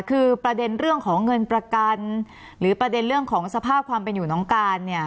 คือประเด็นเรื่องของเงินประกันหรือประเด็นเรื่องของสภาพความเป็นอยู่น้องการเนี่ย